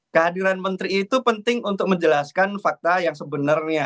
kehadiran menteri itu penting untuk menjelaskan fakta yang sebenarnya